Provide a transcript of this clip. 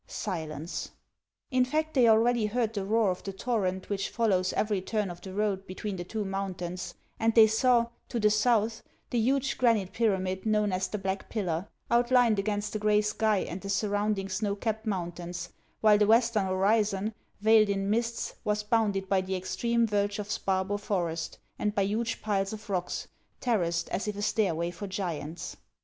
Silence !" In fact, they already heard the roar of the torrent which follows every turn of the road between the two mountains, and they saw, to the south, the huge granite pyramid known as the Black Pillar, outlined against the gray sky and the surrounding snow capped mountains ; while the western horizon, veiled in mists, was bounded by the extreme verge of Sparbo forest, and by huge piles of rocks, terraced as if a stairway for giants.